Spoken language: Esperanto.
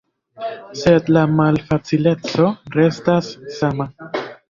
Sed la malfacileco restas sama.